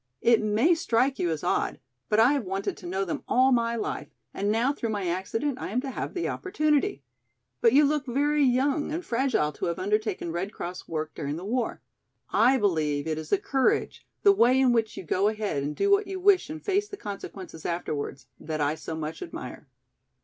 "It may strike you as odd but I have wanted to know them all my life and now through my accident I am to have the opportunity. But you look very young and fragile to have undertaken Red Cross work during the war. I believe it is the courage, the way in which you go ahead and do what you wish and face the consequences afterwards, that I so much admire."